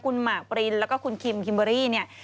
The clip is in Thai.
คุณหมากปรินแล้วก็คุณคิมคิมเบอรี่เนี่ย